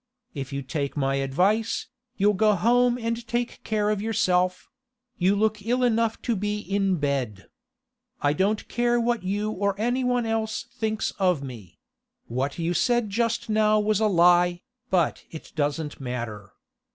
If you take my advice, you'll go home and take care of yourself; you look ill enough to be in bed. I don't care what you or anyone else thinks of me; what you said just now was a lie, but it doesn't matter.